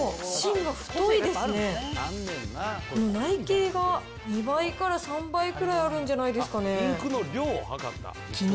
もう内径が２倍から３倍くらいあるんじゃないですかね。